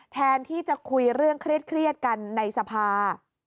แทนที่จะคุยเรื่องเครียดกันในสภา